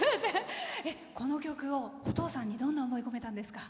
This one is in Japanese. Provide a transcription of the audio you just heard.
この曲をお父さんにどんな思い込めたんですか？